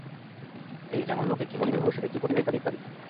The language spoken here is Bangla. এই যেমন, লোকে কী বলিবে, ভবিষ্যতে কী ঘটিবে ইত্যাদি ইত্যাদি।